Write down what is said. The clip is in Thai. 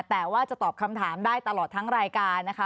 แต่ว่าจะตอบคำถามได้ตลอดทั้งรายการนะคะ